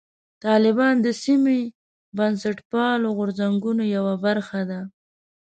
طالبان د سیمې بنسټپالو غورځنګونو یوه برخه ده.